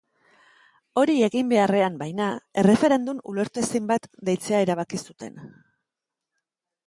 Hori egin beharrean, baina, erreferendum ulertezin bat deitzea erabaki zuten.